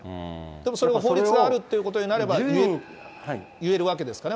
でもそれが法律があるということになれば、言えるわけですからね。